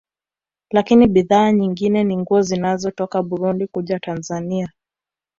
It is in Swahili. Lakini bidhaa nyingine ni nguo zinazotoka Burundi kuja Tanzania